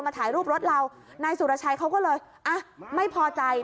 ถ่ายรูปรถเรานายสุรชัยเขาก็เลยอ่ะไม่พอใจ